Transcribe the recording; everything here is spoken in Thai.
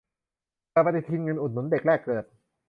เปิดปฏิทินเงินอุดหนุนเด็กแรกเกิด